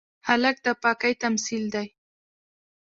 هلک د پاکۍ تمثیل دی.